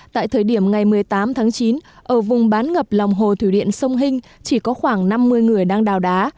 tại thời điểm ngày một mươi tám tháng chín ở vùng bán ngập lòng hồ thủy điện sông hinh chỉ có khoảng năm mươi người đang đào đá